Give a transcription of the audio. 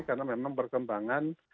karena memang perkembangan